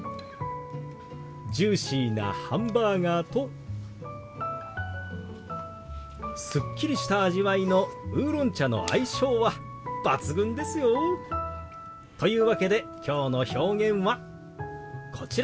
ジューシーなハンバーガーとすっきりした味わいのウーロン茶の相性は抜群ですよ。というわけできょうの表現はこちら。